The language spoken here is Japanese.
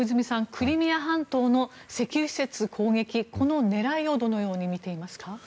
クリミア半島の石油施設攻撃この狙いをどのように見ていますか。